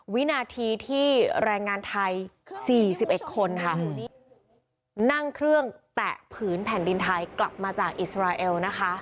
วินาทีที่แรงงานไทย๔๑คนค่ะนั่งเครื่องแตะผืนแผ่นดินไทยกลับมาจากอิสราเอลนะคะ